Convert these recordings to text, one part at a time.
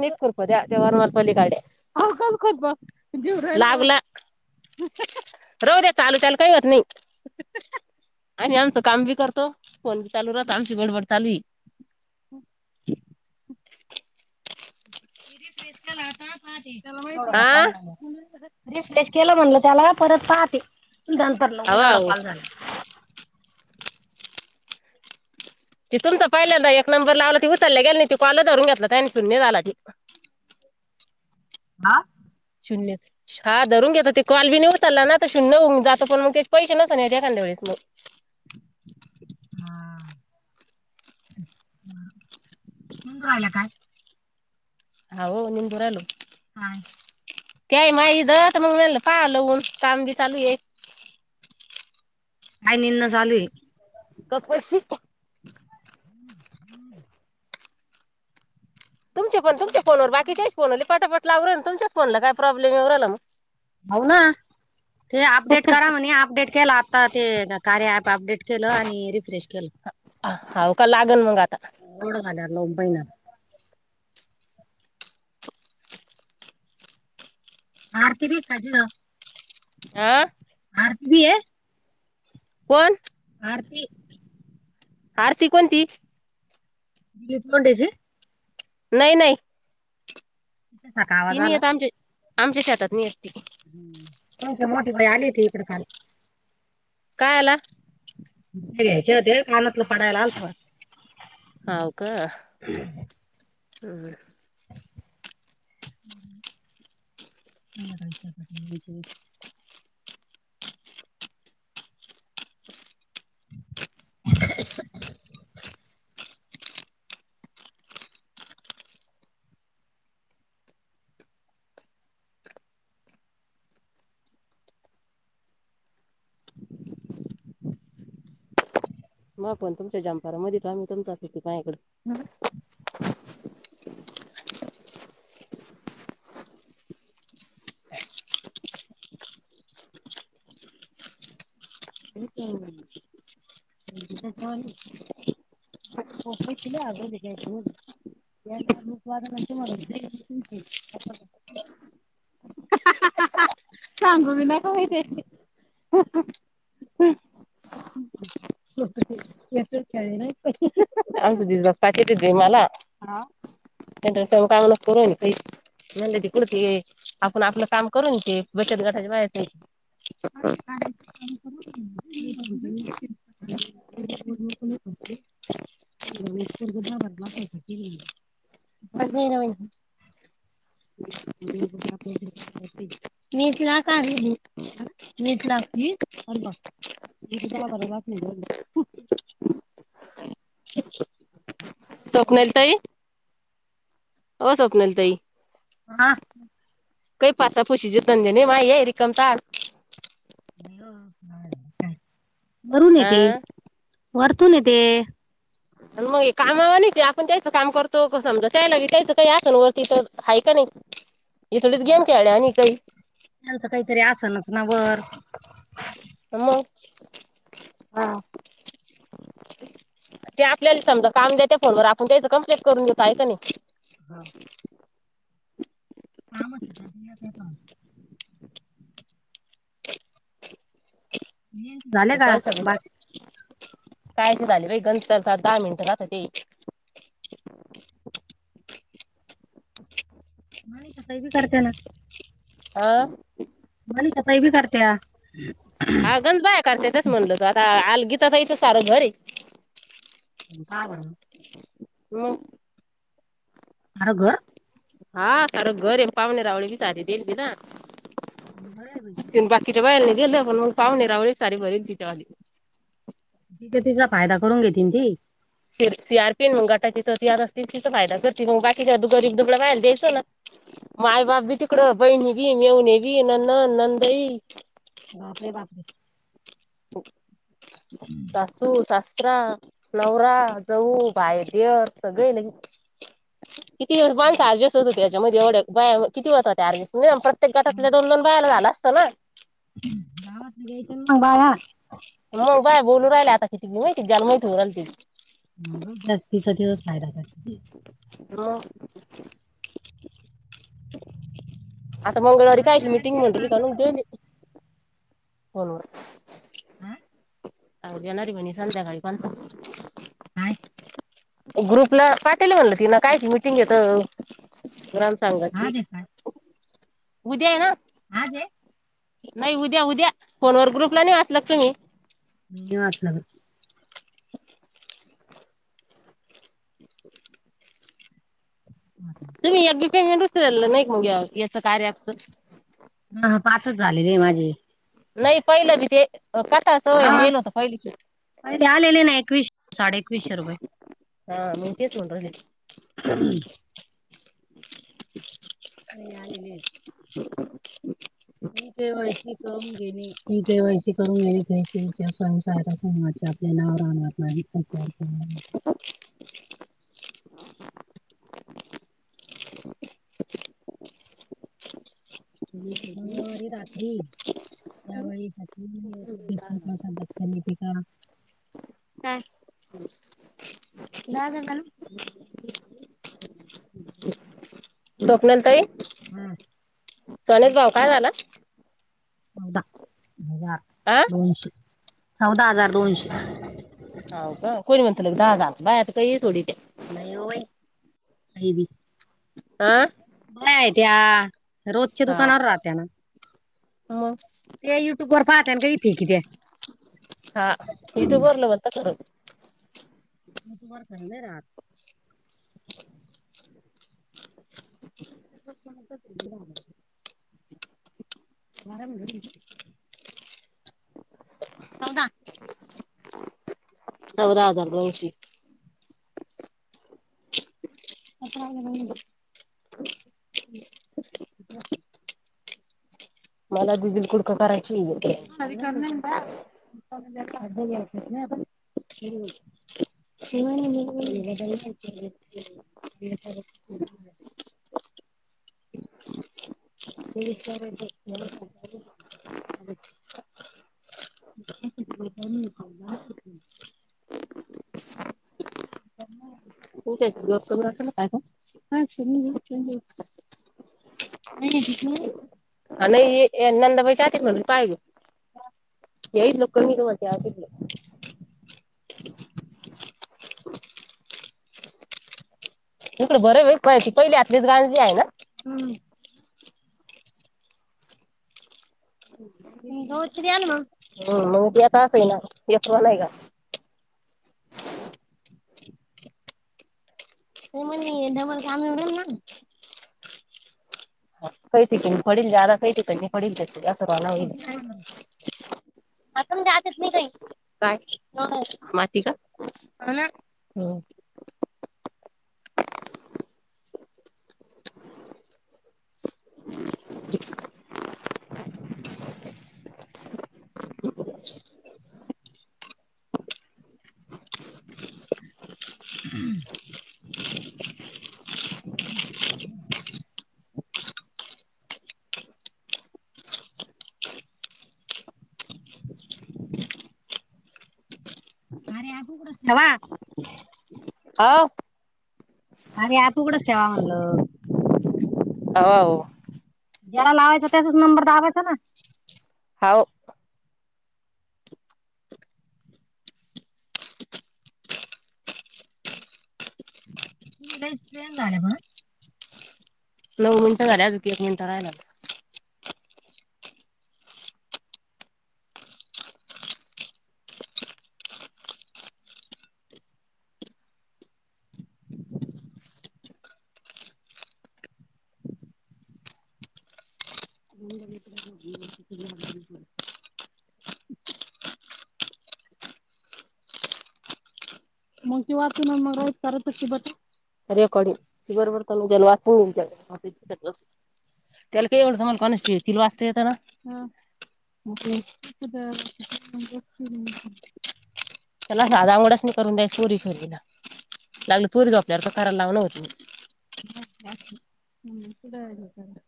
निक कोरपत्या जवार मपली गाडे लागला रह दे चालू चालू काही होत नाही आणि आमचं काम बी करतो फोन बी चालू रातो आमची गडबड चालू इे फ्रेश कालाहता आहे आ पा रिसटेश केलं म्हणलं त्याला परत पाहते नंतर ल हवा एवढा हो कॉल झाला ती तुमच पहिला ना एक नंबर लावला त उचलल्या गेल ना त कॉल धून घेतला त्याून झाला हा शून्यत हा धरून घेतता ते कॉलीे उताला ना आता शून्यवऊ जातो पण मग त्याचे पैसे नस नाही एखांद्याेळेस मग हा हंग राला काय अव नि बुराल हा ते माझ जात मग नाही पाहालं होन काां बी चालू आहे काय निन चालू आहे कपशी हम्म हम्म तुमच्या फो तुमच्या फोनवर बाकी काही फोनले पाटापट लाववर ना तुमच फोनला काय प्रॉब्मवला मग होऊ ना ते अपडेट करा म्हणे अपडेट केला आता ते कार्य ऍप अपडेट केलं आणि रिफ्रेश केलं हव का लागल मग आता ोडं घाल्या लों पहिणार आरती ब काज आह आरती भी आहे कोण आरती आरती कोणती बथोंडेचीी नाही नाही सका तिन आता आमचे आमच्या शेतात नी असती तुमची ती मोठी ताई आली होती इकडं कॉल काय आला घ्यायच्या होते कानातलं पडायला आलेत हा का ह [unintelligible] [unintelligible] मग आपण तुमच्या जमपारा मध का आम्ही तुमचा अस त पायकड का [unintelligible] [unintelligible] सांगू बी नका ते [unintelligible] [unintelligible] म्हणले त कुडती आपण आपलं काम करून ते बचत गटाच्या बाहया [unintelligible] [unintelligible] [unintelligible] [unintelligible] नीट लागती ह स्वप्नाली ताई व स्वप्नाली ताई हा. [unintelligible] वरुून ये हा ती वरतुून य ते मग कामावां नाही ते आपण त्यायचं काम करतो क समजा त्यायला विकायचं काही आहे वरतीिथ आहेय का नाही? इथोडीच हो, गेम खेळ्या वाणी आहे काही. त्यांचं काहीतरी आसनच ना वर. मग? हा. ते आपल्याला समजा काम देते फोनवर आपण त्याच कम्प्लीट करून देतो आहे का नाही? हा. कामच [unintelligible] [unintelligible] ते कॉल [unintelligible] बा कायच झाले बाई गंतरचा दहा मिनटं राहत ते. [inaudible] मनिषा ताई बी करते ना? हा. मनिषा ताई बी करतिया. हा गण बाया करते तेच म्हणलोतो आता आलगीता तच सार घर अय. पण का बरं? हम् अरो घर हा कार घर पावणेरावळी बी साारी देी ना बरंय बाई त बाकीच्या बायालानी गेले पण मग पावणे रावळे सारी बरी तिच्यावाणी. तिचा तिचा फायदा करून घेती न ती? सी आर पीन मग गटाची तर तीर अस तिच फायदा करते मग बाकीच्या गरीब दुबळा व्हायला द्यायचो ना? माय बाप बी तिकड बहिणी बी मेवणे बी ननन नंदई बापरे बापरे. सासू सासरा नवरा जाऊ बाय दे सगळे न किती दिवस पाण सजे अस होतो त्या त्यामध्ये एवढ्या बाया किती होतात त्या अर्गीस प्रत्येक हं, गटातल्या दोन दोन बायाला झाला असतं ना. गावात घ्यायच्या म बाया? मग बाय बोलू राहिला आता किती मी माहिती जाला माहिती [unintelligible] [unintelligible] [unintelligible] आता मग मंगळवारी काय आता ऍड मीटिंग केलं तर म्हणली आता नाही होत [unintelligible] फोनवर हा? आज येणारे बणी संध्याकाळी [unintelligible] काय? ग्रुपला पाटेल म्हणलं ती ना कायच मिटिंग घेत. ग्रामसांघाची आज आहे काय उद्या आहे ना? आज ये? नाही उद्या उद्या फोनवर ग्रुपला नाही वाचला का तुम्ही? नाही वाचलं तुम्ही एक बी पेमेंट उचलेल नाही का मग याच कार्य च्? ह ह पाच झालेली माझी. नाही पहिलं बी ते. काटाच वय हा येलो होत पहिली चिट अरे ते आलेले ना एकवीसशे साडे एकवीसशे रुपये. हा. म तेचं म्हणतान घेतलं. हम्म. [inaudible] [unintelligible] आलेले. [inaudible] ई केवायसी करून घेणे. ई के वयसी करून घेणे. फैसेच्या स्वयं साय समाच्या आप नावर रा आप [unintelligible] मंगळवारी रात - - त्री त्यावेळी सचि [unintelligible] तली का हा. दा [unintelligible] स्वप्नाली ताई. हम्. सोन्याचा भाव काय झाला? चौदा हजार. आं. दोनशे. चौदा हजार दोनशे. ह का कोणी म्हणतल दाहजार बाय आता काही तोडी तेे. नाही ओ बाई [unintelligible] आ. काय त्या्या रोजच्या दुकानावर राहत्या ना. मं. ते युट्युब वर पाहत आणि का इकित्या. त [unintelligible] वरखर नाही रात. [unintelligible] [inaudible] मर [unintelligible] [inaudible] चौदा [inaudible] चौदा हजार दोनश. अ [unintelligible] मला दिदीला पुडकं करायची. [unintelligible] आधी या पाहिज ना आपण [unintelligible] [inaudible] [unintelligible] [unintelligible] [unintelligible] [unintelligible] आणे नंदाबाईच्यात म्हणून पाहिल. येईल [unintelligible] [unintelligible] इकडं बर आहे पण पहिली आतलीच गांजली आहे ना. [unintelligible] तू म्हणी नाही डबल काम जमना [unintelligible] आपण त्या तिथलीच हाय. काय माती का? आल्या हूं. [unintelligible] [unintelligible] [unintelligible] [unintelligible] अ हूं. [unintelligible] [unintelligible] अरे [unintelligible] वा हो. आहे आतुकडचं ठेवा म्हणल. हो.. ज्याला लावाचं त्यांचंच नंबर दाबायचा ना, होव. [unintelligible] [unintelligible] बघ नऊ मिनटं झालेत की एक मिनटं राहिला. मग ते वाचून [unintelligible] रेकॉर्डिंग वरवर [unintelligible] त्याला काही येवढ [unintelligible] वाचता येत ना हं. [unintelligible] चला साध अंगडच नाही, करून द्यास पोरीस लागल पोरी झोपल्यावर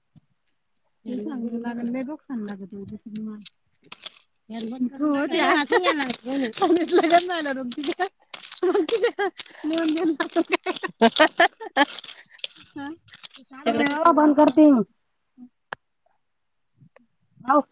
[unintelligible] [unintelligible] [unintelligible] [unintelligible] [unintelligible] चालू ठेवावां बंद करती. [inaudible] हौव.